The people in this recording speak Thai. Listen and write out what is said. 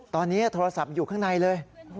ตอนนี้โทรศัพท์อยู่ข้างในเลย